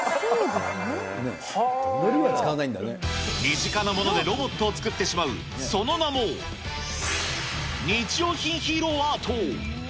身近なものでロボットを作ってしまう、その名も、日用品ヒーローアート。